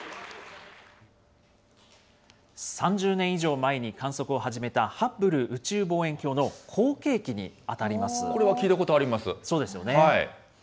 ３０年以上前に観測を始めたハッブル宇宙望遠鏡の後継機に当たりこれは聞いたことあります。